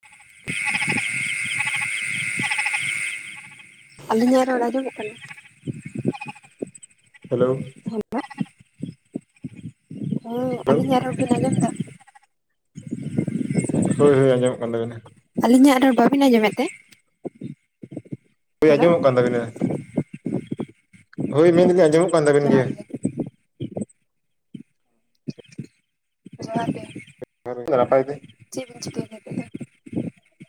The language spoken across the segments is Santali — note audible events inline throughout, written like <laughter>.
<inaudible> ᱟᱹᱞᱤᱧᱟᱜ ᱨᱚᱲ ᱟᱸᱡᱚᱢᱚᱜ ᱠᱟᱱᱟ? ᱦᱮᱞᱳ᱾ <inaudible> ᱦᱩᱸ ᱦᱮᱞᱳ ᱟᱹᱞᱤᱧᱟᱜ ᱨᱚᱲ ᱵᱤᱱ ᱟᱸᱡᱚᱢ ᱮᱫᱟ? ᱦᱳᱭ ᱦᱳᱭ ᱟᱸᱚᱢᱚᱜ ᱠᱟᱱ ᱛᱟᱵᱤᱱᱟ᱾ ᱟᱹᱞᱤᱧᱟᱜ ᱨᱚᱲ ᱵᱟᱹᱵᱤᱱ ᱟᱸᱡᱚᱢᱮᱫ ᱛᱮ? ᱦᱳᱭ ᱦᱮᱞᱳ ᱟᱸᱡᱚᱢᱚᱜ ᱠᱟᱱ ᱛᱟᱵᱤᱱᱟ᱾ ᱦᱳᱭ ᱢᱮᱱ ᱫᱟᱞᱤᱧ ᱟᱸᱚᱢᱚᱜ ᱠᱟᱱ ᱛᱟᱵᱮᱱ ᱜᱮᱭᱟ᱾ ᱡᱚᱦᱟᱨ ᱜᱮ <inaudible> <inaudible> ᱪᱮᱫ ᱵᱤᱱ ᱪᱤᱠᱟᱹᱭ ᱫᱟ ᱛᱟᱞᱦᱮ?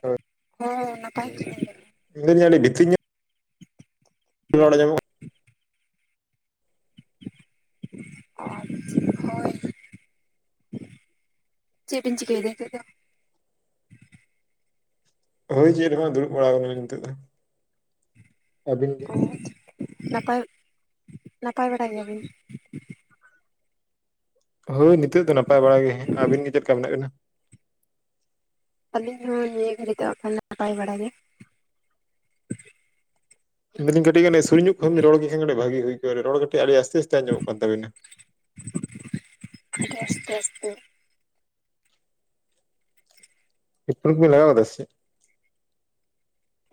ᱦᱳᱭ᱾ ᱦᱮᱸ ᱱᱟᱯᱟᱭ ᱜᱮ᱾ ᱢᱮᱱᱫᱟᱹᱧ ᱟᱰᱤ ᱵᱷᱤᱛᱨ ᱧᱚᱜ᱾ ᱤᱧᱟᱹᱜ ᱨᱚᱲ ᱟᱸᱡᱚᱢᱚᱜ ᱾ ᱟᱨ ᱦᱳᱭ᱾ ᱪᱮᱜ ᱵᱤᱱ ᱪᱤᱠᱟᱹᱭᱫᱟ ᱦᱤᱛᱳᱜ ᱫᱚ? ᱦᱳᱭ ᱪᱮᱫ ᱦᱚ ᱵᱟ ᱫᱩᱲᱩᱵ ᱵᱟᱲᱟ ᱠᱟᱱᱟᱞᱤᱧ ᱱᱤᱛᱚᱜ ᱫᱚ ᱟᱵᱤᱱ ᱜᱤ᱾ ᱱᱟᱯᱟᱭ ᱱᱟᱯᱟᱭ ᱵᱟᱲᱟ ᱜᱮᱭᱟ ᱵᱤᱱ? ᱦᱳᱭ ᱱᱤᱛᱳᱜ ᱫᱚ ᱱᱟᱯᱟᱭ ᱵᱟᱲᱟᱜ ᱜᱤ ᱦᱮᱸ ᱟᱵᱤᱱ ᱜᱮ ᱪᱮᱫ ᱠᱟ ᱢᱮᱱᱟᱜ ᱵᱤᱱᱟ? ᱟᱞᱤᱧ ᱦᱚᱸ ᱱᱤᱭᱟᱹ ᱜᱷᱟᱹᱲᱤᱡ ᱫᱚ ᱟᱸᱜ ᱠᱷᱟᱱ ᱱᱟᱯᱟᱭ ᱵᱟᱲᱟ ᱜᱮ᱾ ᱢᱮᱱᱫᱟᱹᱧ ᱠᱟᱴᱤᱡ ᱜᱟᱱ ᱥᱩᱲᱤ ᱧᱚᱜ ᱠᱷᱚᱱ ᱨᱚᱲᱜᱤ ᱠᱷᱟᱱ ᱠᱟᱴᱤᱜ ᱵᱷᱟᱜᱤ ᱦᱩᱭ ᱠᱚᱜ-ᱟ, ᱨᱚᱲ ᱠᱟᱴᱤᱜ ᱟᱰᱤ ᱟᱥᱛᱮ ᱟᱥᱛᱮ ᱟᱸᱡᱚᱢᱚᱜ ᱠᱟᱱ ᱛᱵᱤᱱᱟ᱾ ᱟᱰᱤ ᱟᱥᱛᱮ ᱟᱥᱛᱮ᱾ ᱦᱮᱰ ᱯᱷᱳᱱ ᱵᱤᱱ ᱞᱟᱜᱟᱣ ᱠᱟᱫᱟ ᱥᱮ ᱪᱮᱜ?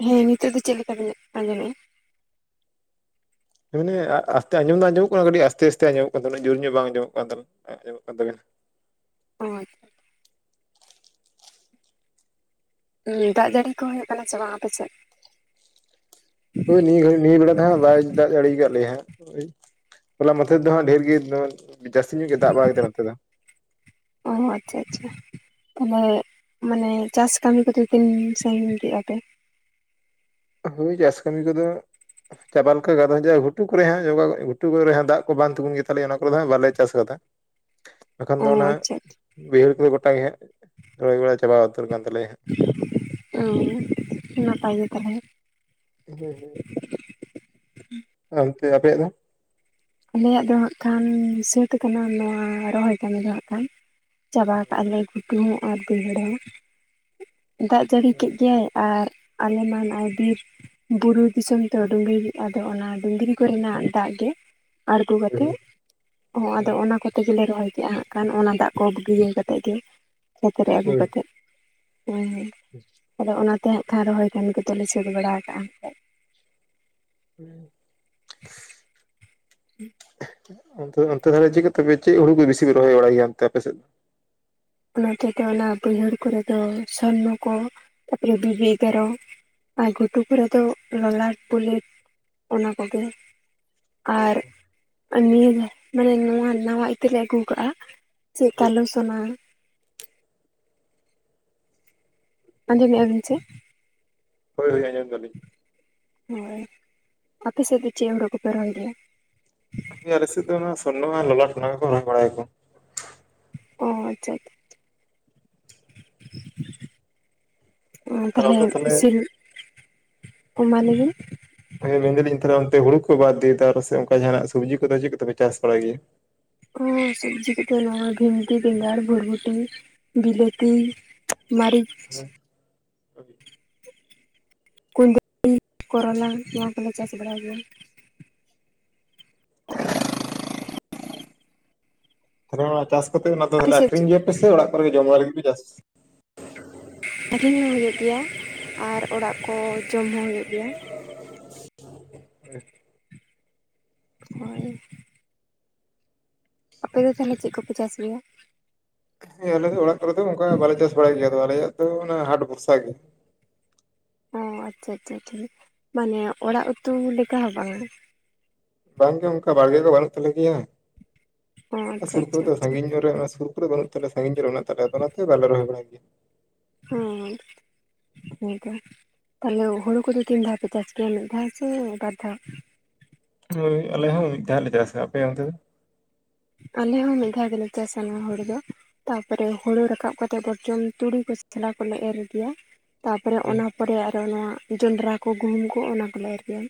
ᱦᱮᱸ, ᱱᱤᱛᱳᱜ ᱫᱚ ᱪᱮᱫ ᱞᱮᱠᱟ ᱵᱤᱱ ᱟᱸᱡᱚᱢᱮᱜ-ᱟ? ᱢᱟᱱᱮ ᱟᱥᱛᱮ ᱟᱸᱡᱚᱢ ᱫᱚ ᱟᱸᱡᱚᱢᱚᱜ ᱠᱟᱱᱟ, ᱠᱟᱴᱤᱜ ᱟᱥᱛᱮ ᱟᱥᱛᱮ ᱟᱸᱡᱚᱢᱚᱜ ᱠᱟᱱ ᱛᱟᱵᱮᱱᱟ ᱡᱳᱨ ᱧᱚᱜ ᱵᱟᱝ ᱟᱸᱚᱢᱚᱜ ᱠᱟᱱ ᱛᱟᱵᱮ ᱟᱸᱡᱚᱜ ᱠᱟᱱ ᱛᱟᱵᱮᱱᱟ ᱾ ᱦᱳᱭ᱾ ᱫᱟᱜ ᱡᱟᱲᱤ ᱠᱚ ᱦᱳᱭᱳᱜ ᱠᱟᱱᱟ ᱥᱮ ᱵᱟᱝ ᱟᱯᱮ ᱥᱮᱫ? ᱦᱳᱭ ᱱᱤᱭᱟᱹ ᱜᱷᱟᱹᱲᱤ ᱱᱤᱭᱟᱹ ᱵᱮᱲᱟ ᱫᱚ ᱦᱟᱸᱜ ᱵᱟᱭ ᱫᱟᱜ ᱡᱟᱲᱤᱭ ᱠᱟᱜ ᱞᱮᱭᱟ ᱦᱟᱸᱜ ᱳᱭ᱾ ᱦᱚᱞᱟ ᱢᱟᱫᱷᱮᱨ ᱫᱚ ᱦᱟᱸᱜ ᱰᱷᱮᱨ ᱜᱤ ᱡᱟᱹᱥᱛᱤ ᱧᱚᱜ ᱜᱤ ᱫᱟᱜ ᱵᱟᱭ ᱫᱟᱜᱟ ᱱᱚᱛᱮ ᱫᱚ᱾ ᱚᱦᱚ ᱟᱪᱪᱷᱟ ᱟᱪᱪᱷᱟ᱾ ᱛᱟᱦᱞᱮ ᱢᱟᱱᱮ ᱪᱟᱥ ᱠᱟᱢᱤ ᱠᱚᱫᱚ ᱛᱤᱱ ᱥᱟᱺᱜᱤᱧ ᱠᱮᱜ-ᱟ ᱯᱮ? ᱦᱳᱭ ᱪᱟᱥ ᱠᱟᱹᱢᱤ ᱠᱚᱫᱚ᱾ ᱪᱟᱵᱟ ᱞᱮᱠᱟ ᱜᱮ ᱟᱫᱚ ᱡᱟ ᱜᱷᱩᱴᱩ ᱠᱚᱨᱮ ᱦᱟᱸᱜ ᱡᱚᱜᱟ ᱜᱷᱩᱴᱩ ᱠᱚᱨᱮ ᱡᱟᱸᱦᱟ ᱫᱟᱜ ᱠᱚ ᱵᱟᱝ ᱛᱩᱜᱩᱱ ᱜᱮᱛᱟᱞᱮᱭᱟ ᱚᱱᱟ ᱠᱚᱨᱮ ᱫᱚ ᱦᱟᱸᱜ ᱵᱟᱞᱮ ᱪᱟᱥ ᱠᱟᱫᱟ᱾ <inaudible> ᱵᱟᱠᱷᱟᱱ ᱫᱚ ᱚᱱᱟ ᱟᱪᱪᱷᱟ ᱵᱟᱹᱭᱦᱟᱹᱲ ᱠᱚᱨᱮ ᱜᱚᱴᱟ ᱜᱮ ᱦᱟᱸᱜ ᱨᱚᱦᱚᱭ ᱵᱟᱲᱟ ᱪᱟᱵᱟ ᱩᱛᱟᱹᱨ ᱠᱟᱱ ᱛᱟᱞᱮᱭᱟ ᱦᱟᱸᱜ᱾ ᱩᱸ ᱦᱩᱸᱜ ᱱᱟᱯᱟᱭ ᱜᱮ ᱛᱟᱦᱞᱮ᱾ ᱦᱳᱭ ᱦᱳᱭ᱾ ᱟᱱᱛᱮ ᱟᱯᱮᱭᱟᱜ ᱫᱚ? ᱟᱞᱮᱭᱟᱜ ᱫᱚ ᱦᱟᱸᱜ ᱠᱷᱟᱱ ᱥᱟᱹᱛ ᱠᱟᱱᱟ ᱱᱚᱣᱟ ᱨᱚᱦᱚᱭ ᱠᱟᱢᱤ ᱫᱚ ᱦᱟᱸᱜ ᱠᱷᱟᱱ᱾ ᱪᱟᱵᱟ ᱠᱟᱜ-ᱟᱞᱮ ᱜᱷᱩᱴᱩ ᱦᱚᱸ ᱟᱨ ᱵᱟᱹᱭᱦᱟᱹᱲ ᱦᱚᱸ᱾ ᱫᱟᱜ ᱡᱟᱲᱤ ᱠᱮᱜ ᱜᱮᱭ ᱟᱨ ᱟᱞᱮ ᱢᱟ ᱱᱟᱜ-ᱟᱭ ᱵᱤᱨ᱾ ᱵᱩᱨᱩ ᱫᱤᱥᱚᱢ ᱛᱚ ᱰᱩᱝᱨᱤ ᱟᱫᱚ ᱚᱱᱟ ᱰᱩᱝᱨᱤ ᱠᱚᱨᱮᱱᱟᱜ ᱫᱟᱜ ᱜᱮ᱾ ᱟᱬᱜᱳ ᱠᱟᱛᱮᱜ᱾ ᱦᱚᱸ ᱟᱫᱚ ᱚᱱᱟ ᱠᱚᱛᱮ ᱜᱮᱞᱮ ᱨᱚᱦᱚᱭ ᱠᱟᱜ-ᱟ ᱦᱟᱸᱜ ᱠᱷᱟᱱ ᱚᱱᱟ ᱫᱟᱜ ᱠᱚ <unintelligible> ᱠᱟᱛᱮᱜ ᱜᱮ᱾ ᱠᱷᱮᱛ ᱨᱮ ᱟᱹᱜᱩ ᱦᱳᱭ ᱠᱟᱛᱮᱫ ᱮᱸ ᱦᱮᱸ᱾ <unintelligible> ᱟᱫᱚ ᱚᱱᱟᱛᱮ ᱦᱟᱸᱜ ᱠᱷᱟᱱ ᱨᱚᱦᱚᱭ ᱠᱟᱹᱢᱤ ᱠᱚᱫᱚ ᱞᱮ ᱥᱟᱹᱛ ᱵᱟᱲᱟ ᱠᱟᱜ-ᱟ ᱦᱟᱸᱜ ᱠᱷᱟᱡ᱾ <unintelligible> <unintelligible> ᱚᱱᱛᱮ ᱚᱱᱛᱮ ᱛᱟᱦᱞᱮ ᱪᱮᱜ ᱠᱚ ᱛᱮ ᱯᱮ ᱪᱮᱜ ᱦᱩᱲᱩ ᱠᱩ ᱵᱤᱥᱤ ᱯᱮ ᱨᱚᱦᱚᱭ ᱵᱟᱲᱟᱭ ᱜᱮᱭᱟ ᱚᱱᱛᱮ ᱟᱯᱮ ᱥᱮᱜ ᱫᱚ᱾ ᱱᱚᱛᱮ ᱫᱚ ᱚᱱᱟ ᱵᱟᱹᱭᱦᱟᱹᱲ ᱠᱚᱨᱮ ᱫᱚ ᱥᱚᱨᱱᱚ ᱠᱚ ᱛᱟᱯᱚᱨᱮ ᱵᱤᱵᱤ ᱮᱜᱟᱨᱚ᱾ ᱟᱨ ᱜᱷᱩᱴᱩ ᱠᱚᱨᱮ ᱫᱚ ᱞᱚᱞᱟᱴ ᱵᱩᱞᱮᱴ ᱚᱱᱟ ᱠᱚᱜᱮ᱾ ᱟᱨ᱾ ᱱᱤᱭᱟᱹ ᱢᱟᱱᱮ ᱱᱚᱣᱟ ᱱᱟᱣᱟ ᱤᱛᱟᱹ ᱞᱮ ᱟᱹᱜᱩ ᱠᱟᱜ-ᱟ ᱪᱮᱜ ᱦᱳᱭ ᱠᱟᱞᱳ ᱥᱚᱱᱟ᱾ ᱟᱸᱡᱚᱢᱮᱜ-ᱟ ᱵᱤᱱ ᱥᱮ᱾ ᱦᱳᱭ ᱦᱳᱭ ᱟᱸᱡᱚᱢ ᱫᱟᱞᱤᱧ᱾ ᱦᱮᱸ ᱟᱯᱮ ᱥᱮᱜ ᱫᱚ ᱪᱮᱜ ᱚᱝᱠᱟ ᱦᱳᱲᱳ ᱠᱚᱯᱮ ᱨᱚᱦᱚᱭ ᱜᱮᱭᱟ᱾ ᱟᱞᱮ ᱥᱮᱫ ᱫᱚ ᱚᱱᱟ ᱥᱚᱨᱱᱚ ᱟᱨ ᱞᱚᱞᱟᱴ ᱚᱱᱟ ᱜᱮᱠᱚ ᱨᱚᱦᱚᱭ ᱵᱟᱲᱟᱭᱟ ᱠᱚ᱾ ᱚ ᱟᱪᱪᱷᱟ᱾ ᱚ ᱛᱟᱦᱞᱮ ᱚᱱᱛᱮ ᱛᱟᱦᱚᱞᱮ ᱛᱟᱦᱞᱮ <unintelligible> ᱳ ᱢᱟ ᱞᱮᱭᱵᱤᱱ, ᱦᱮᱸ ᱢᱮᱱ ᱫᱟᱞᱤᱧ ᱛᱟᱦᱚᱞᱮ ᱚᱱᱛᱮ ᱦᱩᱲᱩ ᱠᱚ ᱵᱟᱫ ᱫᱤᱭᱮ ᱛᱚ ᱚᱱᱠᱟ ᱡᱟᱦᱟᱱᱟᱜ ᱥᱚᱵᱽᱡᱤ ᱠᱚᱫᱚ ᱪᱮᱫ ᱠᱚᱯᱮ ᱪᱟᱥ ᱵᱟᱲᱟᱭ ᱜᱮᱭᱟ? ᱚᱸ ᱥᱚᱵᱽᱡᱤ ᱠᱚ ᱫᱚ ᱱᱚᱣᱟ ᱵᱷᱤᱱᱴᱤ, ᱵᱮᱸᱜᱟᱲ, ᱵᱷᱚᱨᱵᱚᱴᱤ, ᱵᱤᱞᱟᱹᱛᱤ᱾ ᱢᱟᱹᱨᱤᱪ᱾ <inaudible> ᱠᱩᱫᱽᱨᱤ, ᱠᱚᱨᱚᱞᱟ ᱱᱚᱣᱟ ᱠᱚᱞᱮ ᱪᱟᱥ ᱵᱟᱲᱟᱭ ᱜᱮᱭᱟ᱾ ᱛᱟᱦᱚᱞᱮ ᱚᱱᱟ ᱪᱟᱥ ᱠᱟᱛᱮ ᱚᱱᱟ ᱫᱚ ᱟᱯᱮ ᱥᱮᱫ ᱟᱠᱷᱨᱤᱧ ᱜᱮᱭᱟᱯᱮ ᱥᱮ ᱚᱲᱟᱜ ᱠᱚ ᱜᱮ ᱡᱚᱢᱟᱜ ᱨᱮᱜᱮᱯᱮ ᱪᱟᱥ? ᱟᱹᱠᱷᱨᱤᱧ ᱦᱚᱸ ᱦᱩᱭᱩᱜ ᱜᱮᱭᱟ, ᱟᱨ ᱚᱲᱟᱜ ᱠᱚ ᱡᱚᱢ ᱦᱚᱸ ᱦᱩᱭᱩᱜ ᱜᱮᱭᱟ᱾ <inaudible> ᱟᱯᱮ ᱫᱚ ᱛᱟᱦᱚᱞᱮ ᱪᱮᱫ ᱠᱚᱯᱮ ᱪᱟᱥ ᱜᱮᱭᱟ? ᱦᱮᱸ ᱟᱞᱮ ᱚᱲᱟᱜ ᱠᱚᱨᱮ ᱫᱚ ᱚᱱᱠᱟ ᱵᱟᱞᱮ ᱪᱟᱥ ᱵᱟᱲᱟᱭ ᱜᱮᱭᱟ, ᱟᱞᱮᱭᱟᱜ ᱫᱚ ᱚᱱᱟ ᱦᱟᱴ ᱵᱷᱚᱨᱥᱟ ᱜᱮ᱾ ᱚ ᱟᱪᱪᱷᱟ, ᱟᱪᱪᱷᱟ, ᱟᱪᱪᱷᱟ ᱢᱟᱱᱮ ᱚᱲᱟᱜ ᱩᱛᱩ ᱞᱮᱠᱟ ᱦᱚᱸ ᱵᱟᱝᱟ? ᱵᱟᱝᱜᱮ ᱚᱱᱠᱟ ᱵᱟᱲᱜᱮ ᱫᱚ ᱵᱟᱹᱱᱩᱜ ᱛᱟᱞᱮ ᱜᱮᱭᱟ, ᱚ ᱚᱱᱠᱟ ᱟᱪᱪᱷᱟ ᱥᱩᱨ ᱠᱚᱨᱮ ᱟᱪᱪᱷᱟ ᱫᱚ ᱟᱪᱪᱷᱟ ᱥᱟᱺᱜᱤᱧ ᱧᱚᱜ ᱨᱮ ᱥᱩᱨ ᱥᱩᱨ ᱠᱚᱨᱮ ᱵᱟᱹᱱᱩᱜ ᱛᱟᱞᱮ ᱥᱟᱺᱜᱤᱧ ᱠᱚ ᱨᱮ ᱢᱮᱱᱟᱜ ᱛᱟᱞᱮ, ᱚᱱᱟᱛᱮ ᱵᱟᱞᱮ ᱨᱚᱦᱚᱭ ᱵᱟᱲᱟᱭ ᱜᱮᱭᱟ᱾ ᱦᱩᱸ ᱦᱩᱸ ᱛᱚ ᱛᱟᱦᱞᱮ ᱦᱩᱲᱩ ᱠᱚᱫᱚ ᱛᱤᱱ ᱫᱷᱟᱣ ᱯᱮ ᱪᱟᱥ ᱜᱮᱭᱟ, ᱢᱤᱫ ᱫᱷᱟᱣ ᱥᱮ ᱵᱟᱨ ᱫᱷᱟᱣ? ᱦᱳᱭ ᱟᱞᱮ ᱦᱚᱸ ᱢᱤᱫ ᱫᱷᱟᱣ ᱞᱮ ᱪᱟᱥᱟ᱾ ᱟᱯᱮ ᱚᱱᱛᱮ ᱫᱚ? ᱟᱞᱮ ᱦᱚ ᱢᱤᱫ ᱫᱷᱟᱣ ᱜᱮᱞᱮ ᱪᱟᱥᱟ ᱱᱚᱶᱟ ᱦᱚᱲᱩ ᱫᱚ᱾ ᱛᱟᱯᱚᱨᱮ ᱦᱩᱲᱩ ᱨᱟᱠᱟᱵ ᱠᱟᱛᱮ ᱫᱚ ᱪᱩᱢᱪᱩᱲᱩ ᱠᱚᱥᱞᱟ ᱠᱚᱞᱮ ᱮᱨ ᱜᱮᱭᱟ᱾ ᱛᱟᱯᱚᱨᱮ ᱚᱱᱟ ᱯᱚᱨᱮ ᱟᱨᱚ ᱱᱚᱣᱟ ᱡᱚᱱᱰᱨᱟ ᱠᱚ ᱜᱩᱦᱩᱢ ᱠᱚ ᱚᱱᱟ ᱠᱚᱞᱮ ᱮᱨ ᱜᱮᱭᱟ᱾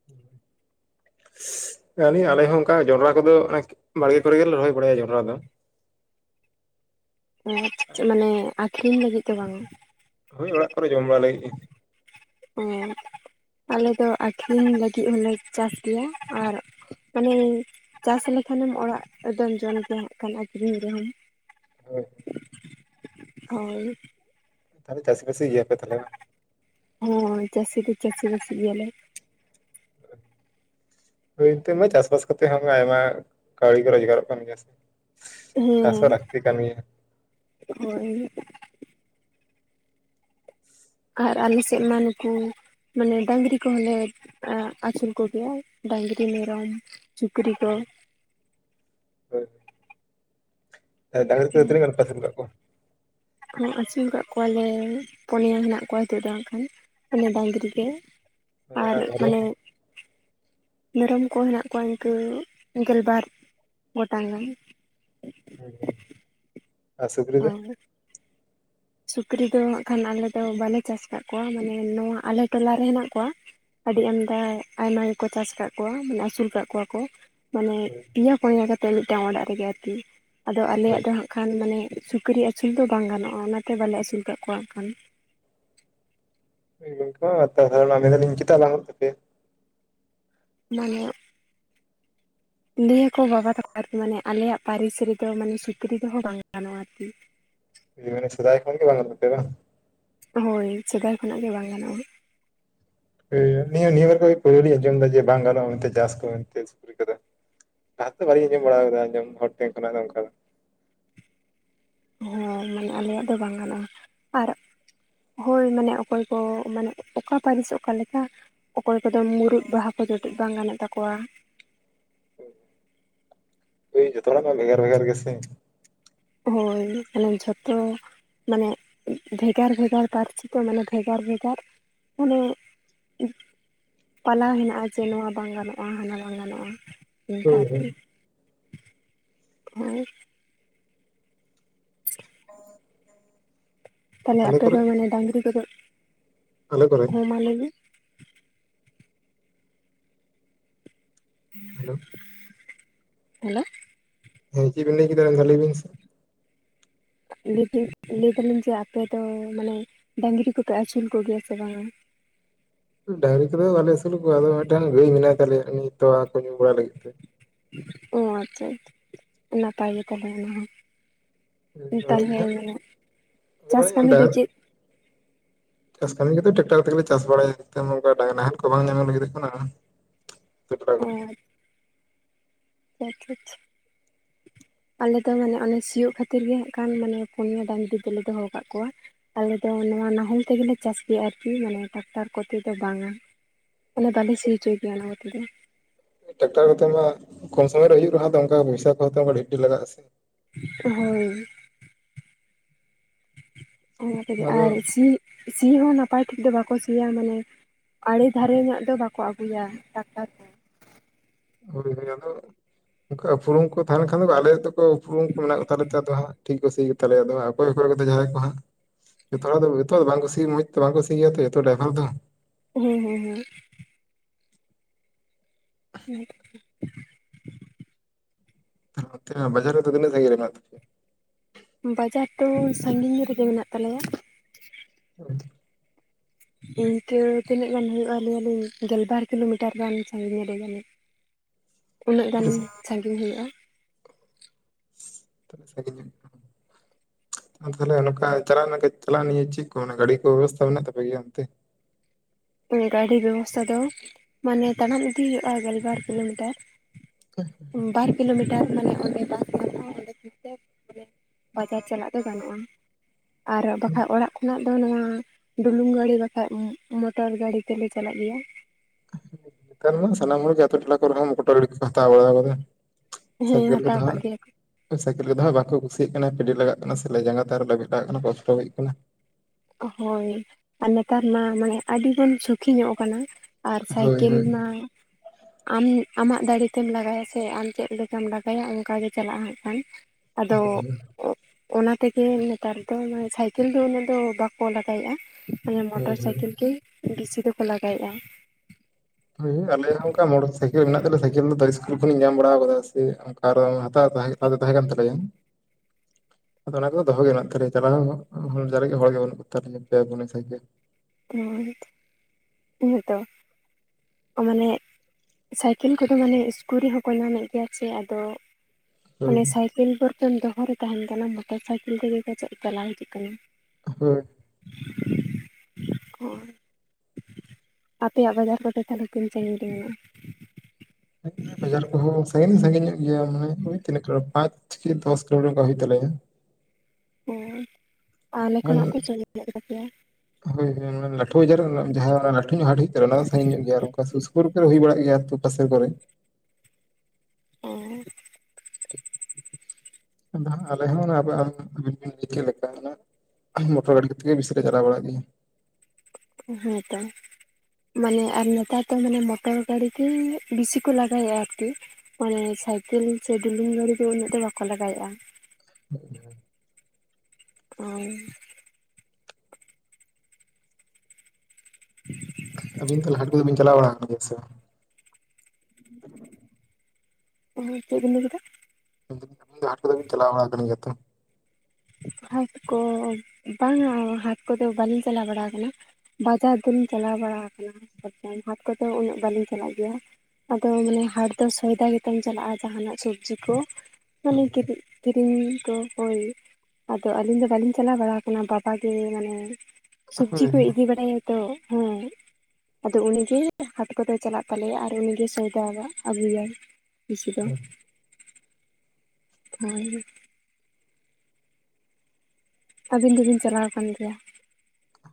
<inaudible> ᱟᱞᱮ ᱦᱚᱸ ᱚᱱᱠᱟ ᱡᱚᱸᱰᱨᱟ ᱠᱚᱫᱚ ᱵᱟᱲᱜᱮ ᱠᱚᱨᱮ ᱜᱮᱞᱮ ᱨᱚᱦᱚᱭ ᱵᱟᱲᱟᱭᱟ ᱡᱚᱸᱰᱨᱟ ᱫᱚ᱾ ᱟᱪᱪᱷᱟ ᱢᱟᱱᱮ ᱟᱠᱷᱨᱤᱧ ᱞᱟᱹᱜᱤᱫ ᱫᱚ ᱵᱟᱝ-ᱟ? ᱦᱳᱭ ᱚᱲᱟᱜ ᱠᱚᱨᱮ ᱡᱚᱢ ᱵᱟᱲᱟ ᱞᱟᱹᱜᱤᱫ ᱜᱮ᱾ ᱳ᱾ ᱟᱞᱮ ᱫᱚ ᱟᱠᱷᱨᱤᱧ ᱞᱟᱹᱜᱤᱫ ᱦᱚᱞᱮ ᱪᱟᱥ ᱜᱮᱭᱟ, ᱟᱨ ᱢᱟᱱᱮ ᱪᱟᱥ ᱞᱮᱠᱷᱟᱱᱮᱢ ᱚᱲᱟᱜ ᱨᱮᱫᱚᱢ ᱡᱚᱢ ᱜᱮᱭᱟ ᱦᱟᱜ ᱠᱷᱟᱱ ᱟᱠᱠᱷᱨᱤᱧ ᱨᱮᱦᱚᱢ᱾ ᱦᱳᱭ᱾ ᱦᱳᱭ᱾ ᱛᱟᱦᱚᱞᱮ ᱪᱟᱹᱥᱤ ᱵᱟᱹᱥᱤ ᱜᱤᱭᱟ ᱯᱮ ᱛᱟᱦᱚᱞᱮ ᱵᱟᱝ? ᱦᱮ ᱪᱟᱹᱥᱤ ᱫᱚ ᱪᱟᱹᱥᱤ ᱵᱟᱥᱤ ᱜᱮᱭᱟ ᱞᱮ᱾ ᱦᱳᱭ ᱱᱤᱛᱚᱜ ᱢᱟ ᱪᱟᱥᱵᱟᱥ ᱠᱟᱛᱮᱜ ᱦᱚᱸ ᱟᱭᱢᱟ ᱠᱟᱹᱣᱰᱤ ᱠᱚ ᱨᱳᱡᱽᱜᱟᱨᱚᱜ ᱠᱟᱱ ᱜᱮᱭᱟ ᱥᱮ᱾ ᱪᱟᱥ ᱦᱚᱸ ᱦᱮᱸ, ᱞᱟᱹᱠᱛᱤ ᱠᱟᱱ ᱜᱮᱭᱟ ᱦᱳᱭ᱾ ᱟᱨ ᱟᱞᱮ ᱥᱮᱫ ᱢᱟ ᱱᱩᱠᱩ ᱢᱟᱱᱮ ᱰᱟᱹᱟᱝᱨᱤ ᱠᱚᱦᱚᱸ ᱞᱮ ᱟᱹᱥᱩᱞ ᱠᱚᱜᱮᱭᱟ, ᱰᱟᱹᱟᱝᱨᱤ, ᱢᱮᱨᱚᱢ। ᱪᱩᱠᱨᱤ ᱠᱚ, ᱦᱳᱭ᱾ ᱟᱨ ᱰᱟᱹᱝᱨᱤ ᱠᱚᱫᱚ ᱛᱤᱱᱟᱜ ᱜᱟᱱ ᱯᱮ ᱟᱥᱩᱞ ᱠᱟᱜ ᱠᱚᱣᱟ? ᱦᱮᱸ ᱟᱹᱥᱩᱞ ᱟᱠᱟᱫ ᱠᱚᱣᱟᱞᱮ ᱯᱚᱱᱭᱟ ᱦᱮᱱᱟᱜ ᱠᱚᱣᱟ ᱱᱤᱛᱚᱜ ᱫᱚ ᱦᱟᱜ ᱠᱷᱟᱱ। ᱢᱟᱱᱮ ᱰᱟᱝᱨᱤ ᱜᱮ ᱟᱨ ᱢᱟᱱᱮ ᱢᱮᱨᱚᱢ ᱠᱚ ᱦᱮᱱᱟᱜ ᱠᱚᱣᱟ ᱤᱱᱠᱟᱹ ᱜᱮᱞᱵᱟᱨ ᱜᱚᱴᱟᱝ ᱜᱟᱱ। ᱟᱨ ᱥᱩᱠᱨᱤ ᱫᱚ? ᱦᱳᱭ ᱥᱩᱠᱨᱤ ᱫᱚ ᱦᱟᱜ ᱠᱷᱟᱱ ᱟᱞᱮ ᱫᱚ ᱵᱟᱞᱮ ᱪᱟᱥ ᱟᱠᱟᱜ ᱠᱚᱣᱟ, ᱢᱟᱱᱮ ᱱᱚᱣᱟ ᱟᱞᱮ ᱴᱚᱞᱟᱨᱮ ᱦᱮᱱᱟᱜ ᱠᱚᱣᱟ᱾ ᱟᱹᱰᱤ ᱦᱳᱭ ᱟᱢᱫᱟ, ᱟᱭᱢᱟ ᱜᱮᱠᱚ ᱪᱟᱥ ᱟᱠᱟᱫ ᱠᱚᱣᱟ ᱢᱟᱱᱮ ᱟᱹᱥᱩᱞ ᱟᱠᱟᱫ ᱠᱚᱣᱟ ᱠᱚ ᱢᱟᱱᱮ ᱦᱳᱭ ᱤᱭᱟᱹ ᱯᱚᱱᱤᱭᱟᱹ ᱠᱟᱛᱮ ᱢᱤᱫᱴᱟᱝ ᱚᱲᱟᱜ ᱨᱮᱜᱮ ᱟᱨᱠᱤ, ᱟᱫᱚ ᱟᱞᱮᱭᱟᱜ ᱦᱳᱭ ᱫᱚ ᱦᱟᱸᱜ ᱠᱷᱟᱱ ᱢᱟᱱᱮ ᱥᱩᱠᱨᱤ ᱟᱥᱩᱞ ᱫᱚ ᱵᱟᱝ ᱜᱟᱱᱚᱜᱼᱟ ᱚᱱᱟᱛᱮ ᱵᱟᱞᱮ ᱟᱹᱥᱩᱞ ᱠᱟᱷ ᱠᱚᱣᱟ ᱦᱟᱸᱜᱠᱷᱟᱱ। ᱱᱚᱝᱠᱟ ᱛᱟᱦᱚᱞᱮ ᱢᱮᱱᱫᱟᱞᱤᱧ ᱪᱮᱫᱟᱜ ᱵᱟᱝ ᱜᱟᱱᱚᱜ ᱛᱟᱯᱮᱭᱟ? ᱢᱟᱱᱮ ᱞᱟᱭᱟᱹ ᱠᱚ ᱵᱟᱵᱟ ᱛᱟᱠᱚ ᱟᱨᱠᱤ ᱢᱟᱱᱮ ᱟᱞᱮᱭᱟᱜ ᱯᱟᱹᱨᱤᱥ ᱨᱮᱫᱚ ᱢᱟᱱᱮ ᱥᱩᱠᱨᱤ ᱫᱚᱦᱚᱸ ᱵᱟᱝ ᱜᱟᱱᱚᱜᱼᱟ ᱟᱨᱠᱤ। ᱢᱟᱱᱮ ᱥᱮᱫᱟᱭ ᱠᱷᱚᱱ ᱜᱮ ᱵᱟᱱᱩᱜ ᱛᱟᱯᱮᱭᱟ ᱵᱟᱝ? ᱦᱳᱭ ᱥᱮᱫᱟᱭ ᱠᱷᱚᱱᱟᱜ ᱜᱮ ᱵᱟᱝ ᱜᱟᱱᱚᱜᱼᱟ ᱦᱟᱸᱜ। ᱦᱳᱭ ᱱᱤᱭᱟᱹ ᱱᱤᱭᱟᱹ ᱵᱟᱨ ᱜᱮ ᱯᱳᱭᱞᱚ ᱞᱤᱧ ᱟᱸᱡᱚᱢ ᱫᱟ ᱡᱮ ᱵᱟᱝ ᱜᱟᱱᱼᱟ ᱢᱮᱱᱛᱮ ᱪᱟᱥ ᱠᱚ ᱢᱮᱱᱛᱮ ᱥᱩᱠᱨᱤ ᱠᱚᱫᱚ। ᱞᱟᱦᱟ ᱛᱮ ᱵᱟᱹᱞᱤᱧ ᱟᱸᱡᱚᱢ ᱵᱟᱲᱟ ᱠᱟᱫᱟ ᱟᱸᱡᱚᱢ ᱫᱚ ᱦᱚᱲ ᱴᱮᱱ ᱠᱷᱱᱟᱜ ᱫᱚ ᱚᱱᱠᱟ ᱫᱚ। ᱦᱚᱸ ᱢᱟᱱᱮ ᱟᱞᱮᱭᱟᱜ ᱫᱚ ᱵᱟᱝ ᱜᱟᱱᱚᱜᱼᱟ, ᱟᱨ ᱦᱳᱭ ᱢᱟᱱᱮ ᱚᱠᱚᱭ ᱠᱚ ᱢᱟᱱᱮ ᱚᱠᱟ ᱯᱟᱹᱨᱤᱥ ᱚᱠᱟᱞᱮᱠᱟ ᱚᱠᱚᱭ ᱠᱚᱫᱚ ᱢᱩᱨᱩᱫ ᱵᱟᱦᱟ ᱠᱚ ᱡᱚᱴᱤᱫ ᱵᱟᱝ ᱜᱟᱱᱚᱜ ᱛᱟᱠᱚᱣᱟ ᱦᱳᱭ ᱡᱷᱚᱛᱚ ᱦᱚᱲᱟᱜ ᱢᱟ ᱵᱷᱮᱜᱟᱨ ᱵᱷᱮᱜᱟᱨ ᱜᱮᱥᱮ? ᱦᱳᱭ ᱢᱟᱱᱮ ᱡᱷᱚᱛᱚ ᱢᱟᱱᱮ ᱵᱷᱮᱜᱟᱨ ᱵᱷᱮᱜᱟᱨ ᱯᱟᱹᱨᱥᱤ ᱛᱚ ᱢᱟᱱᱮ ᱵᱷᱮᱜᱟᱨ ᱵᱷᱮᱜᱟᱨ ᱢᱟᱱᱮ ᱯᱟᱞᱟᱣ ᱦᱮᱸᱱᱟᱜᱼᱟ ᱡᱮ ᱱᱚᱣᱟ ᱵᱟᱝ ᱜᱟᱱᱚᱜᱼᱟ ᱦᱟᱱᱟ ᱵᱟᱝ ᱜᱟᱱᱚᱜᱼᱟ। ᱚᱝᱠᱟ ᱦᱳᱭ ᱦᱳᱭ ᱟᱨᱠᱤ <inaudible> <inaudible> ᱛᱟᱦᱚᱞᱮ ᱟᱞᱮ ᱟᱯᱮ ᱫᱚ ᱠᱚᱨᱮ ᱢᱟᱱᱮ ᱰᱟᱝᱨᱤ ᱠᱚᱫᱚ ᱟᱞᱮ ᱠᱚᱨᱮ ᱦᱮᱸ ᱢᱟ ᱞᱟᱹᱭ ᱢᱮ᱾ ᱦᱮᱞᱳ᱾ ᱦᱮᱞᱳ᱾ ᱦᱮᱸ ᱪᱮᱫ ᱵᱤᱱ ᱞᱟᱹᱭ ᱠᱮᱫᱟᱹ ᱟᱨ ᱢᱤᱫᱫᱷᱟᱣ ᱞᱟᱹᱭ ᱵᱤᱱ ᱥᱮ? ᱞᱮ ᱫᱤᱧ ᱞᱮᱭ ᱫᱟᱞᱤᱧ ᱡᱮ ᱟᱯᱮ ᱫᱚ ᱢᱟᱱᱮ ᱰᱟᱝᱨᱤ ᱠᱚᱯᱮ ᱟᱹᱥᱩᱞ ᱠᱚᱜᱮᱭᱟ ᱥᱮ ᱵᱟᱝ-ᱟ? ᱰᱟᱹᱟᱝᱨᱤ ᱠᱚᱫᱚ ᱵᱟᱞᱮ ᱟᱹᱥᱩᱞ ᱠᱚᱣᱟ ᱟᱫᱚ ᱢᱤᱫᱴᱟᱝ ᱜᱟᱹᱭ ᱢᱮᱱᱟᱭ ᱛᱟᱞᱮᱭᱟ ᱩᱱᱤ ᱛᱚᱣᱟ ᱠᱚ ᱧᱩ ᱵᱟᱲᱟ ᱞᱟᱹᱜᱤᱫ ᱛᱮ। ᱚ ᱟᱪᱪᱷᱟ ᱟᱪᱪᱷᱟ ᱱᱟᱯᱟᱭ ᱜᱮ ᱛᱟᱦᱚᱞᱮ ᱚᱱᱟ ᱦᱚᱸ। ᱩᱱᱤ ᱛᱟᱦᱚᱞᱮ ᱦᱟᱸᱜ ᱢᱟᱱᱮ ᱪᱟᱥ ᱢᱟᱱᱮ ᱠᱟᱹᱢᱤ ᱫᱚ ᱰᱟᱝ ᱪᱮᱫ ᱪᱟᱥ ᱠᱟᱹᱢᱤ ᱫᱚ ᱴᱨᱟᱠᱴᱟᱨ ᱛᱮᱜᱮᱞᱮ ᱪᱟᱥ ᱵᱟᱲᱟᱭᱟ ᱱᱤᱛᱚᱜ ᱢᱟ ᱰᱟᱝ ᱱᱟᱦᱮᱞ ᱠᱚ ᱵᱟᱝ ᱧᱟᱢᱚᱜ ᱞᱟᱹᱜᱤᱫ ᱠᱟᱱᱟ, <unintelligible> ᱟᱪᱪᱷᱟ ᱟᱪᱪᱷᱟ। ᱟᱞᱮ ᱫᱚ ᱢᱟᱱᱮ ᱚᱱᱮ ᱥᱤᱭᱳᱜ ᱠᱷᱟᱹᱛᱤᱨ ᱜᱮ ᱦᱟᱸᱜ ᱠᱷᱟᱱ ᱯᱳᱱᱭᱟ ᱰᱟᱝᱜᱨᱤ ᱫᱚᱞᱮ ᱫᱚᱦᱚ ᱠᱟᱜ ᱠᱚᱣᱟ। ᱟᱞᱮ ᱫᱚ ᱱᱚᱣᱟ ᱱᱟᱦᱮᱞ ᱛᱮᱜᱮᱞᱮ ᱪᱟᱥ ᱜᱮᱭᱟ ᱟᱨᱠᱤ ᱢᱟᱱᱮ ᱴᱨᱟᱠᱴᱟᱨ ᱠᱚᱛᱮ ᱫᱚ ᱵᱟᱝᱟ। ᱢᱟᱱᱮ ᱵᱟᱞᱮ ᱥᱤ ᱦᱚᱪᱚᱭ ᱜᱮᱭᱟ ᱚᱱᱟ ᱠᱚᱛᱮ ᱫᱚ। ᱴᱨᱟᱠᱴᱟᱨ ᱠᱚᱛᱮ ᱢᱟ ᱠᱚᱢ ᱥᱚᱢᱚᱭ ᱨᱮ ᱦᱳᱭᱩᱜ ᱨᱮᱦᱚᱸ ᱚᱱᱠᱟ ᱯᱚᱭᱥᱟ ᱠᱚᱦᱚ ᱛᱚ ᱟᱹᱰᱤ ᱰᱷᱮᱨᱜᱤ ᱞᱟᱜᱟᱜ ᱟᱥᱮ। ᱦᱳᱭ। ᱚᱱᱟ ᱛᱮᱜᱮ ᱟᱫᱚ ᱟᱨ ᱥᱤ ᱥᱤ ᱦᱚᱸ ᱱᱟᱯᱟᱭ ᱴᱷᱤᱠ ᱫᱚ ᱵᱟᱠᱚ ᱥᱤᱭᱟ ᱢᱟᱱᱮ ᱟᱲᱮ ᱫᱷᱟᱨᱮ ᱧᱚᱜ ᱫᱚ ᱵᱟᱠᱚ ᱟᱹᱜᱩᱭᱟ ᱴᱟᱠᱴᱟᱨ᱾ ᱦᱳᱭ ᱦᱳᱭ ᱟᱫᱚ ᱚᱱᱠᱟ ᱩᱯᱩᱨᱩᱢ ᱠᱚ ᱛᱟᱦᱮᱸᱱ ᱠᱷᱟᱱ ᱫᱚ ᱟᱞᱮ ᱥᱮᱫ ᱫᱚ ᱩᱯᱨᱩᱢ ᱠᱚ ᱢᱮᱱᱟᱜ ᱠᱚᱛᱟᱞᱮᱛᱮ ᱟᱫᱚ ᱦᱟᱸᱜ ᱴᱷᱤᱠ ᱜᱮᱠᱚ ᱥᱤᱭ ᱜᱮᱛᱟᱞᱮᱭᱟ ᱟᱫᱚ ᱦᱟᱸᱜ ᱚᱠᱚᱭ ᱚᱠᱚᱭ ᱠᱚᱫᱚ ᱡᱟᱦᱟᱸᱭ ᱠᱚ ᱦᱟᱸᱜ ᱡᱷᱚᱛᱚ ᱦᱚᱲᱟ ᱫᱚ ᱡᱷᱚᱛᱚ ᱫᱚ ᱵᱟᱝ ᱠᱩ ᱥᱤ ᱢᱚᱡᱽ ᱫᱚ ᱵᱟᱝ ᱠᱩ ᱥᱤᱜᱮᱭᱟ ᱛᱮ ᱡᱷᱚᱛᱚ ᱰᱟᱭᱵᱷᱟᱨ ᱫᱚ᱾ ᱦᱮᱸ ᱦᱮᱸ ᱦᱮᱸ᱾ <inaudible> ᱛᱟᱦᱚᱞᱮ ᱱᱚᱛᱮᱱᱟᱜ ᱵᱟᱡᱟᱨ ᱨᱮ ᱫᱚ ᱛᱤᱱᱟᱹᱜ ᱥᱟᱜᱤᱧ ᱨᱮ ᱢᱮᱱᱟᱜ ᱛᱟᱯᱮᱭᱟ? ᱵᱟᱡᱟᱨ ᱫᱚ ᱥᱟᱺᱜᱤᱧ ᱨᱮᱜᱮ ᱢᱮᱱᱟᱜ ᱛᱟᱞᱮᱭᱟ᱾ <inaudible> ᱤᱱᱠᱟᱹ ᱛᱤᱱᱟᱹᱜ ᱜᱟᱱ ᱦᱩᱭᱩᱜᱼᱟ, ᱞᱟᱹᱭᱟᱞᱤᱧ ᱜᱮᱞᱵᱟᱨ ᱠᱤᱞᱳᱢᱤᱴᱟᱨ ᱜᱟᱱ ᱥᱟᱜᱤᱧ ᱨᱮᱜᱮ ᱢᱮ ᱩᱱᱟᱹᱜ ᱜᱟᱱ ᱥᱟᱺᱜᱤᱧ ᱦᱩᱭᱩᱜᱼᱟ᱾ <unintelligible> ᱛᱟᱦᱞᱮ ᱱᱚᱝᱠᱟ ᱪᱟᱞᱟᱣ ᱱᱟ ᱠᱟᱹᱡ ᱪᱟᱞᱟᱣ ᱱᱤᱭᱮ ᱪᱤᱜ ᱠᱚ ᱢᱮᱱᱟ ᱜᱟᱹᱰᱤ ᱠᱚ ᱵᱮᱵᱚᱥᱛᱟ ᱢᱮᱱᱟᱜ ᱛᱟᱯᱮ ᱜᱮᱭᱟ ᱚᱱᱛᱮ? ᱜᱟᱹᱰᱤ ᱵᱮᱵᱚᱥᱛᱷᱟ ᱫᱚ, ᱢᱟᱱᱮ ᱛᱟᱲᱟᱢ ᱤᱫᱤ ᱦᱩᱭᱩᱜᱼᱟ ᱜᱮᱞᱵᱟᱨ ᱠᱤᱞᱳᱢᱤᱴᱟᱨ᱾ <inaudible> ᱵᱟᱨ ᱠᱤᱞᱳᱢᱤᱴᱟᱨ ᱢᱟᱱᱮ ᱚᱸᱰᱮ ᱵᱟᱥ <unintelligible> ᱵᱟᱡᱟᱨ ᱪᱟᱞᱟᱜ ᱫᱚ ᱜᱟᱱᱚᱜᱼᱟ, ᱟᱨ ᱵᱟᱠᱷᱟ ᱚᱲᱟᱜ ᱠᱷᱚᱱᱟᱜ ᱫᱚ ᱱᱚᱣᱟ ᱰᱩᱞᱩᱝ ᱜᱟᱹᱲᱤ ᱵᱟᱠᱷᱟᱡ ᱢᱚᱴᱚᱨ ᱜᱟᱹᱲᱤ ᱛᱮᱞᱮ ᱪᱟᱞᱟᱜ ᱜᱮᱭᱟ᱾ <inaudible> ᱱᱮᱛᱟᱨᱢᱟ ᱥᱟᱱᱟᱢ ᱦᱚᱲ ᱜᱮ ᱟᱛᱳ ᱴᱚᱞᱟ ᱠᱚ ᱨᱮᱦᱚᱸ <unintelligible> ᱦᱟᱛᱟᱣ ᱵᱟᱲᱟ ᱠᱟᱫᱟ᱾ ᱦᱮᱸ ᱥᱟᱭᱠᱮᱞ ᱠᱚᱫᱚ ᱦᱟᱛᱟᱣ ᱠᱟᱜ ᱦᱟᱸᱜ ᱜᱮᱭᱟ ᱥᱟᱭᱠᱮᱞ ᱠᱚᱫᱚᱦᱟᱜ ᱵᱟᱠᱚ ᱠᱩᱥᱤᱭᱟᱜ ᱠᱟᱱᱟ ᱯᱮᱰᱮ ᱞᱟᱜᱟᱜ ᱠᱟᱱᱟ ᱥᱮ ᱡᱟᱸᱜᱟ ᱛᱟᱨ ᱞᱮᱵᱮᱫ ᱞᱟᱜᱟᱜ ᱠᱟᱱᱟ ᱠᱚᱥᱴᱚ ᱦᱩᱭᱩᱜ ᱠᱟᱱᱟ᱾ ᱦᱳᱭ ᱟᱨ ᱱᱮᱛᱟᱨ ᱢᱟ ᱢᱟᱱᱮ ᱟᱹᱰᱤᱵᱚᱱ ᱥᱩᱠᱷᱤ ᱧᱚᱜ ᱠᱟᱱᱟ᱾ ᱟᱨ ᱦᱳᱭ ᱥᱟᱭᱠᱮᱞ ᱦᱳᱭ᱾ ᱢᱟ ᱟᱢ ᱟᱢᱟᱜ ᱫᱟᱲᱮ ᱛᱮᱢ ᱞᱟᱜᱟᱭᱟ ᱥᱮ, ᱟᱢ ᱪᱮᱜ ᱞᱮᱠᱟᱢ ᱞᱟᱜᱟᱭᱟ ᱚᱝᱠᱟᱜ ᱜᱮ ᱪᱟᱞᱟᱜᱼᱟ ᱦᱟᱸᱜ ᱠᱷᱟᱱ᱾ ᱟᱫᱚ ᱦᱳᱭ ᱚᱱᱟ ᱛᱮᱜᱮ ᱱᱮᱛᱟᱨ ᱫᱚ ᱢᱟᱱᱮ ᱥᱟᱭᱠᱮᱞ ᱫᱚ ᱩᱱᱟᱹᱜ ᱫᱚ ᱵᱟᱠ ᱠᱚ ᱞᱟᱜᱟᱭᱼᱟ, ᱢᱟᱱᱮ ᱦᱳᱭ ᱢᱚᱴᱚᱨ ᱦᱳᱭ ᱥᱟᱭᱠᱮᱞ ᱜᱮ ᱵᱤᱥᱤ ᱫᱚᱠᱚ ᱞᱟᱜᱟᱭᱮᱼᱟ᱾ ᱦᱳᱭ ᱟᱞᱮ ᱦᱚᱸ ᱚᱝᱠᱟ ᱢᱚᱴᱚᱨ ᱥᱟᱭᱠᱮᱞ ᱢᱮᱱᱟᱜ ᱛᱟᱞᱮᱭᱟ ᱥᱟᱭᱠᱮᱞ ᱫᱚ <unintelligible> ᱤᱥᱠᱩᱞ ᱠᱷᱚᱱᱤᱧ ᱧᱟᱢ ᱵᱟᱲᱟᱣ ᱠᱟᱫᱟ ᱥᱮ ᱟᱨᱚᱸ ᱦᱟᱛᱟᱣ ᱛᱟᱦᱮᱸᱡ ᱟᱫᱚ ᱫᱚ ᱛᱟᱦᱮᱸᱠᱟᱱ ᱛᱟᱞᱮᱭᱟ᱾ ᱟᱫᱚ ᱚᱱᱟ ᱠᱚᱫᱚ ᱫᱚᱦᱚᱸ ᱜᱮ ᱢᱮᱱᱟᱜ ᱛᱟᱞᱮᱭᱟ ᱪᱟᱞᱟᱣ ᱦᱚᱸ ᱡᱟᱨ ᱨᱮᱜᱮ ᱦᱚᱲ ᱜᱮ ᱵᱟᱹᱱᱩᱜ ᱠᱚᱛᱟᱞᱮᱭᱟ ᱯᱮᱭᱟ ᱵᱩᱱᱤ ᱥᱟᱭᱠᱮᱞ᱾ ᱦᱮᱸᱻ <unintelligible> ᱚ ᱢᱟᱱᱮ ᱥᱟᱭᱠᱮᱞ ᱠᱚᱫᱚ ᱢᱟᱱᱮ ᱤᱥᱠᱩᱨᱤ ᱦᱚᱸᱠᱚ ᱧᱟᱢᱮᱫ ᱜᱮᱭᱟ ᱥᱮ ᱟᱫᱚ ᱦᱳᱭ ᱢᱟᱱᱮ ᱥᱟᱭᱠᱮᱞ ᱵᱚᱨᱪᱚᱢ ᱫᱚᱦᱚ ᱨᱮ ᱛᱟᱦᱮᱱ ᱠᱟᱱᱟ ᱢᱚᱴᱚᱨ ᱥᱟᱭᱠᱮᱞ ᱛᱮᱜᱮ ᱠᱚ ᱪᱟᱜ ᱪᱟᱞᱟᱣ ᱦᱤᱡᱩᱜ ᱠᱟᱱᱟ᱾ <inaudible> <inaudible> ᱟᱯᱮᱭᱟᱜ ᱵᱟᱡᱟᱨ ᱠᱚᱛᱮ ᱛᱤᱱ ᱥᱟᱺᱜᱤᱧ ᱨᱮ ᱢᱮᱱᱟᱜ ᱟ᱾ <inaudible> ᱵᱟᱡᱟᱨ ᱠᱚᱦᱚᱸ ᱥᱟᱺᱜᱤᱧ ᱥᱟᱺᱜᱤᱧ ᱧᱚᱜ ᱜᱮᱭᱟ ᱢᱟᱱᱮ ᱳᱭ ᱛᱤᱱᱟᱹᱜ ᱠᱤᱞᱚ ᱯᱟᱸᱪ ᱪᱤᱠᱤ ᱫᱚᱥ ᱠᱤᱞᱳᱢᱤᱴᱚᱨ ᱜᱟᱱ ᱦᱩᱭᱩᱜ ᱛᱟᱞᱮᱭᱟ ᱾ ᱦᱮᱸ ᱟᱞᱮ ᱢᱟᱱᱮ ᱠᱷᱚᱱᱟᱜ ᱠᱚ <unintelligible> ᱧᱚᱜ ᱜᱮ ᱛᱟᱯᱮᱭᱟ᱾ ᱦᱳᱭ ᱦᱳᱭ ᱞᱟᱹᱴᱩ ᱵᱟᱡᱟᱨ ᱡᱟᱦᱟᱸ ᱞᱟᱹᱴᱩ ᱧᱚᱜ ᱦᱟᱴ ᱦᱩᱭᱩᱜ ᱛᱟᱞᱮᱭᱟ ᱚᱱᱟ ᱫᱚ ᱥᱟᱺᱜᱤᱧᱚᱜ ᱜᱮᱭᱟ ᱟᱨ ᱚᱝᱠᱟ ᱥᱩᱨ ᱯᱩᱨ ᱠᱚᱨᱮ ᱦᱩᱭ ᱵᱟᱲᱟᱜ ᱜᱮᱭᱟ ᱟᱛᱳ ᱯᱟᱥᱮ ᱠᱚᱨᱮ᱾ ᱚ <inaudible> ᱵᱟᱸ ᱟᱞᱮ ᱦᱚᱸ ᱚᱱᱚ ᱟᱵᱟ <inaudible> ᱞᱮᱠᱟ ᱢᱚᱴᱚᱨ ᱜᱟᱹᱰᱤ ᱠᱚᱛᱮ ᱜᱮ ᱵᱤᱥᱤ ᱞᱮ ᱪᱟᱞᱟᱣ ᱵᱟᱲᱟᱜ ᱜᱮᱭᱟ᱾ ᱦᱮᱸᱛᱚ᱾ ᱢᱟᱱᱮ ᱟᱨ ᱱᱮᱛᱟᱨ ᱫᱚ ᱢᱟᱱᱮ ᱢᱚᱴᱚᱨ ᱜᱟᱲᱤ ᱜᱮ ᱵᱤᱥᱤ ᱠᱚ ᱞᱟᱜᱟᱭᱮᱼᱟ ᱟᱨᱠᱤ ᱢᱟᱱᱮ ᱥᱟᱭᱠᱮᱞ ᱥᱮ ᱰᱩᱞᱩᱝ ᱜᱟᱲᱤ ᱫᱚ ᱩᱱᱟᱹᱜ ᱫᱚ ᱵᱟᱠᱚ ᱞᱟᱜᱟᱭᱮᱼᱟ᱾ <inaudible> ᱚᱸᱭ᱾ <inaudible> ᱟᱹᱵᱤᱱ ᱛᱚ ᱦᱟᱴ ᱠᱚᱫᱚᱵᱤᱱ ᱪᱟᱞᱟᱣ ᱵᱟᱲᱟ ᱟᱠᱟᱱ ᱜᱮᱭᱟ ᱥᱮ ᱵᱟᱝ? ᱦᱮᱸ ᱪᱮᱜ ᱵᱤᱱ ᱞᱟᱹᱭ ᱠᱮᱫᱟ? <inaudible> ᱦᱟᱴ ᱠᱚᱫᱚᱵᱤᱱ ᱪᱟᱞᱟᱣ ᱵᱟᱲᱟ ᱠᱟᱱ ᱜᱮᱭᱟ ᱛᱚ᱾ ᱦᱟᱴ ᱠᱚ ᱵᱟᱝ ᱟ ᱦᱟᱴ ᱠᱚᱫᱚ ᱵᱟᱹᱞᱤᱧ ᱪᱟᱞᱟᱣ ᱵᱟᱲᱟᱣ ᱠᱟᱱᱟ᱾ ᱵᱟᱡᱟᱨ ᱫᱚᱞᱤᱧ ᱪᱟᱞᱟᱣ ᱵᱟᱲᱟ ᱠᱟᱱᱟ ᱦᱟᱴ ᱠᱚᱫᱚ ᱩᱱᱟᱹᱜ ᱵᱟᱹᱞᱤᱧ ᱪᱟᱞᱟᱜ ᱜᱮᱭᱟ᱾ ᱟᱫᱚ ᱢᱟᱱᱮ ᱦᱟᱴ ᱫᱚ ᱥᱚᱭᱫᱟ ᱜᱮ ᱛᱚᱢ ᱪᱟᱞᱟᱜ-ᱟ ᱡᱟᱦᱟᱱᱟᱜ ᱥᱚᱵᱽᱡᱤ ᱠᱚ᱾ <inaudible> ᱟᱫᱚ ᱟᱹᱞᱤᱧ ᱫᱚ ᱵᱟᱞᱤᱧ ᱪᱟᱞᱟᱣ ᱵᱟᱲᱟ ᱟᱠᱟᱱᱟ ᱵᱟᱵᱟ ᱜᱮ ᱢᱟᱱᱮ ᱥᱚᱵᱡᱤ ᱦᱳᱭ ᱠᱚ ᱤᱫᱤ ᱵᱟᱲᱟᱭᱟ <inaudible> ᱟᱫᱚ ᱩᱱᱤᱜᱮ ᱦᱟᱴ ᱠᱚᱫᱚ ᱪᱟᱞᱟᱜ ᱛᱟᱞᱮᱭᱟ ᱟᱨ ᱩᱱᱤᱜᱮ ᱥᱚᱭᱫᱟ ᱟᱹᱜᱩᱭᱟᱭ ᱵᱤᱥᱤ ᱫᱚ ᱦᱳᱭ ᱦᱳᱭ ᱾ ᱟᱹᱵᱤᱱ ᱫᱚᱵᱤᱱ ᱪᱟᱞᱟᱣ ᱠᱟᱱ ᱜᱮᱭᱟ?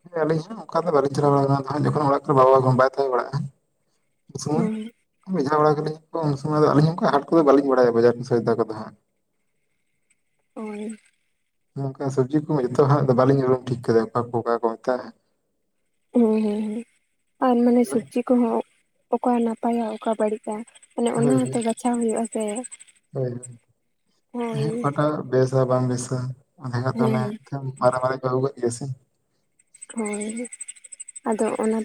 ᱦᱚᱭ ᱟᱹᱞᱤᱧ ᱦᱚᱸᱜ ᱚᱱᱠᱟ ᱫᱚ ᱵᱟᱹᱞᱤᱧ ᱪᱟᱞᱟ ᱵᱟᱲ ᱠᱟᱱᱟ ᱡᱚᱠᱷᱚᱱ ᱚᱲᱟᱜᱨᱮ ᱵᱟᱵᱟ ᱵᱟᱭ ᱛᱟᱦᱮᱸ ᱵᱟᱲᱟᱜ-ᱟ ᱩᱱ ᱥᱚᱢᱚᱭ ᱦᱮᱸ ᱵᱷᱮᱡᱷᱟ ᱵᱟᱲᱟ ᱠᱟᱞᱤᱧ ᱠᱚ ᱩᱱ ᱥᱚᱢᱚᱭ ᱫᱚ ᱟᱹᱞᱤᱧ <inaudible> ᱚᱱᱠᱟ ᱦᱟᱴ ᱠᱚᱫᱚ ᱵᱟᱹᱞᱤᱧ ᱵᱟᱲᱟᱭᱟ ᱵᱟᱡᱟᱨ ᱵᱤᱥᱚᱭᱫᱟ ᱠᱚᱫᱚ ᱦᱟᱸᱜ ᱾ ᱦᱳᱭ ᱾ ᱱᱚᱝᱠᱟ ᱥᱚᱵᱽᱡᱤ ᱠᱚ ᱡᱚᱛᱚ ᱦᱟᱸᱜ ᱫᱚ ᱵᱟᱹᱞᱤᱧ ᱩᱨᱩᱢ ᱴᱷᱤᱠ ᱠᱟᱫᱟ ᱚᱠᱟ ᱠᱚ ᱚᱠᱟ ᱠᱚ ᱢᱮᱛᱟᱜ-ᱟ᱾ ᱦᱮᱸ ᱦᱮᱸ ᱟᱨ ᱢᱟᱱᱮ ᱦᱳᱭ ᱥᱚᱵᱽᱡᱤ ᱠᱚᱦᱚᱸ ᱚᱠᱟ ᱱᱟᱯᱟᱭᱟ ᱚᱠᱟ ᱵᱟᱹᱲᱤᱡ-ᱟ᱾ ᱢᱟᱱᱮ ᱚᱱᱟ ᱦᱳᱭ ᱦᱚᱛᱚ ᱵᱟᱪᱷᱟᱣ ᱦᱩᱭᱩᱜ-ᱟ ᱥᱮ ᱾ ᱦᱳᱭ ᱦᱳᱭ ᱦᱮᱸ ᱚᱴᱟᱜ ᱵᱮᱥᱟ ᱵᱟᱝ ᱵᱮᱥᱟ᱾ ᱟᱫᱮᱠᱷ ᱫᱚ ᱚᱱᱮ ᱦᱮᱸ ᱢᱟᱨᱮ ᱢᱟᱨᱮ ᱠᱚ ᱟᱹᱜᱩ ᱠᱟᱜ ᱜᱮᱭᱟ ᱥᱮ ᱾ ᱦᱳᱭ ᱟᱫᱚ ᱚᱱᱟ